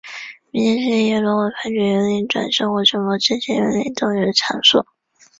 冥界是阎罗王判决幽灵转生或成佛之前幽灵逗留的场所。